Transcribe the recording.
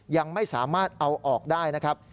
ยังไม่สามารถเอาออกได้นะครับ